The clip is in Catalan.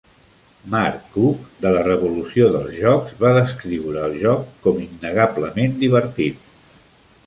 Mark Cooke de la revolució dels jocs va descriure el joc com "innegablement divertit".